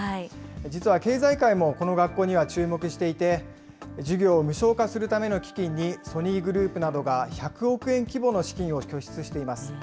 実は経済界もこの学校には注目していて、授業を無償化するための基金にソニーグループなどが１００億円規模の資金を拠出しています。